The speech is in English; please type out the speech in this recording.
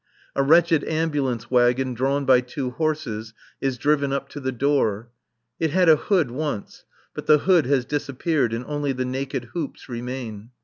A wretched ambulance wagon drawn by two horses is driven up to the door. It had a hood once, but the hood has disappeared and only the naked hoops remain.